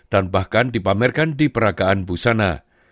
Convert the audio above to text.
dan bahkan dipamerkan di perakaan busana